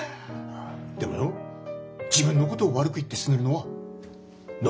でもよ自分のことを悪く言ってすねるのは暢子らしくない。